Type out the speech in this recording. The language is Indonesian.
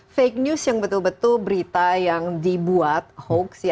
fake news yang betul betul berita yang dibuat hoax